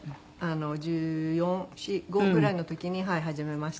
１４１５ぐらいの時に始めました。